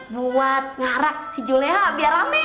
buat ngarak si julnya biar rame